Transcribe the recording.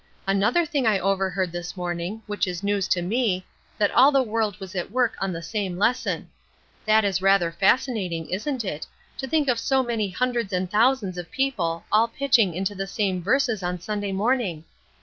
"Another thing I overheard this morning, which is news to me, that all the world was at work on the same lesson. That is rather fascinating, isn't it, to think of so many hundreds and thousands of people all pitching into the same verses on Sunday morning?